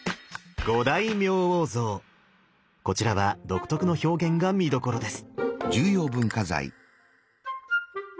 こちらは独特の表現が見どころです。